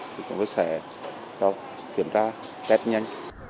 chúng tôi sẽ kiểm tra test nhanh